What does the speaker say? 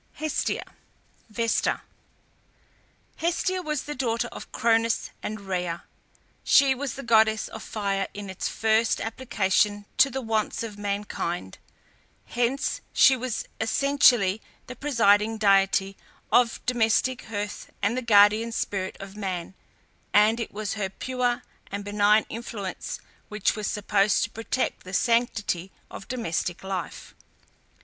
HESTIA (Vesta). Hestia was the daughter of Cronus and Rhea. She was the goddess of Fire in its first application to the wants of mankind, hence she was essentially the presiding deity of the domestic hearth and the guardian spirit of man, and it was her pure and benign influence which was supposed to protect the sanctity of domestic life.